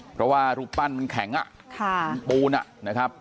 เพราะว่ารูปปั้นมันแข็งปูนนะครับ